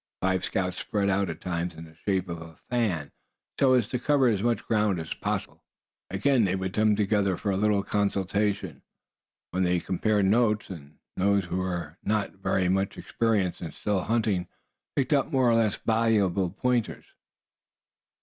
The five scouts spread out at times in the shape of a fan, so as to cover as much ground as possible. Again they would come together for a little consultation, when they could compare notes; and those who were not very much experienced in still hunting, pick up more or less valuable pointers.